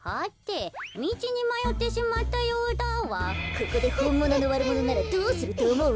ここでほんもののわるものならどうするとおもう？